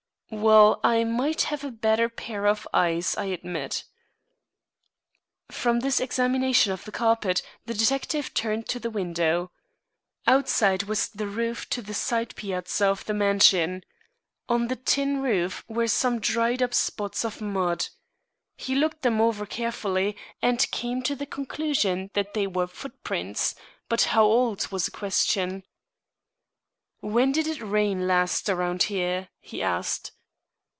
"Well, I might have a better pair of eyes, I admit." From his examination of the carpet, the detective turned to the window. Outside was the roof to the side piazza of the mansion. On the tin roof were some dried up spots of mud. He looked them over carefully, and came to the conclusion that they were footprints, but how old was a question. "When did it rain last around here?" he asked.